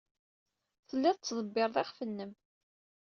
Telliḍ tettḍebbireḍ iɣef-nnem.